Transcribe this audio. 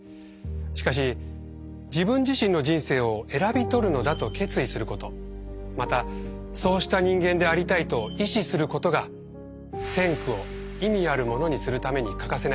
しかし自分自身の人生を選び取るのだと決意することまたそうした人間でありたいと意思することが「先駆」を意味あるものにするために欠かせないのです。